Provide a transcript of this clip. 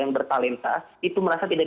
yang bertalenta itu merasa tidak